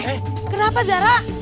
eh kenapa zara